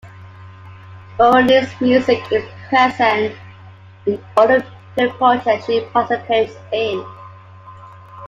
Veronin's music is present in all of the film projects she participates in.